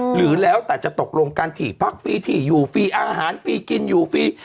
หรือแล้วแต่จะตกลงการถี่พักฟรีที่อยู่ฟรีอาหารฟรีกินอยู่ฟรี